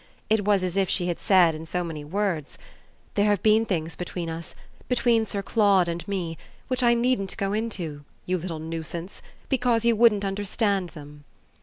It was as if she had said in so many words: "There have been things between us between Sir Claude and me which I needn't go into, you little nuisance, because you wouldn't understand them."